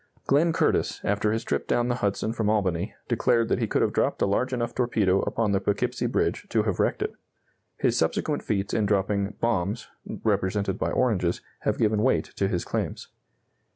] Glenn Curtiss, after his trip down the Hudson from Albany, declared that he could have dropped a large enough torpedo upon the Poughkeepsie Bridge to have wrecked it. His subsequent feats in dropping "bombs," represented by oranges, have given weight to his claims.